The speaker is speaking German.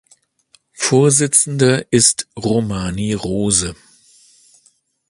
Vorsitzender ist Romani Rose.